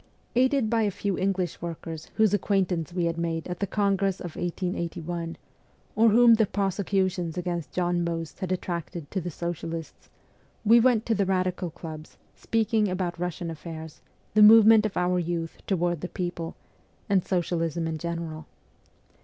Aided by a few English workers whose WESTERN EUROPE 253 acquaintance we had made at the congress of 1881, or whom the prosecutions against John Most had attracted to the socialists, we went to the Kadical clubs, speaking about Eussian affairs, the movement of our youth toward the people, and socialism in general.